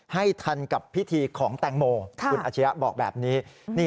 ให้ทันกับพิธีของแตงโมคุณอาชียะบอกแบบนี้